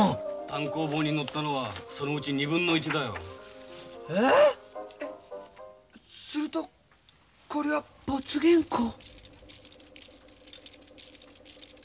単行本に載ったのはそのうち２分の１だよ。えっ！えするとこれは没原稿？